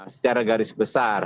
secara garis besar